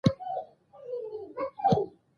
د ګجرات تارړ یو وخت خپل دښمن ته د وزې شیدې نه ورکولې.